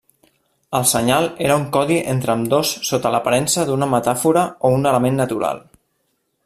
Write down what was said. El senyal era un codi entre ambdós sota l'aparença d'una metàfora o un element natural.